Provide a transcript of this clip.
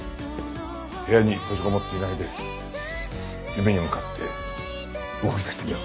部屋に閉じこもっていないで夢に向かって動き出してみろ。